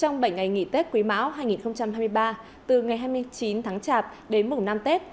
trong bảy ngày nghỉ tết quý mão hai nghìn hai mươi ba từ ngày hai mươi chín tháng chạp đến mùng năm tết